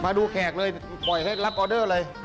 มาดูแขกเลยปล่อยให้รับออเดอร์เลย